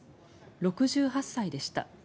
６８歳でした。